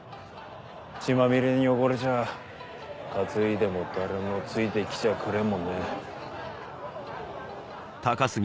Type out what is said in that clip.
血まみれに汚れちゃあ担いでも誰もついて来ちゃくれんもんね。